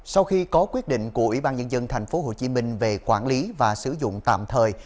sau khi có quyết định của ủy ban nhân dân tp hcm về quản lý và sử dụng tạm thời